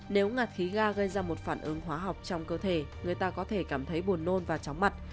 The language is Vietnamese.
nếu ngạt khí ga gây ra một phản ứng hóa học trong cơ thể người ta có thể cảm thấy buồn nôn và chóng mặt